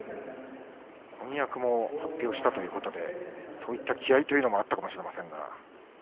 婚約も発表したということでそういった気合いがあったかもしれません。